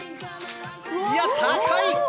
いや、高い。